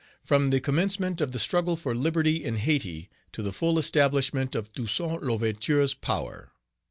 FROM THE COMMENCEMENT OF THE STRUGGLE FOR LIBERTY IN HAYTI TO THE FULL ESTABLISHMENT OF TOUSSAINT L'OUVERTURES POWER.